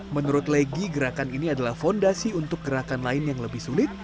menurut legi gerakan ini adalah fondasi untuk gerakan lain yang lebih sulit